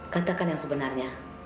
katakan yang sebenarnya